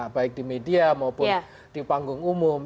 baik di media maupun di panggung umum